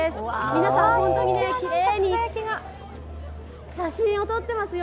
皆さん本当にきれいに写真を撮ってますよ。